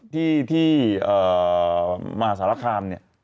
ที่มาสหรัคคลำนี่